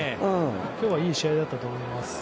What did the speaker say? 今日はいい試合だったと思います。